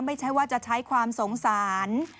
ไม่ใช่ว่าจะใช้ความสงสาร